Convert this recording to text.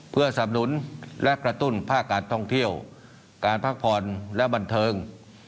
เพื่อสำนุนและกระตุ้นภาคการท่องเที่ยวการพักผ่อนและบันเทิง